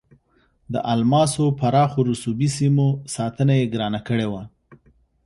د الماسو پراخو رسوبي سیمو ساتنه یې ګرانه کړې وه.